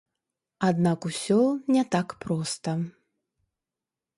Аднак усё не так проста.